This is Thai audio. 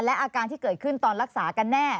และอาการที่เกิดขึ้นตอนรักษากันแน่